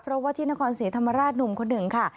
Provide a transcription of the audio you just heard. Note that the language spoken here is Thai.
เพราะว่าที่นครศรีธรรมราชหนุ่มคนหนึ่งค่ะ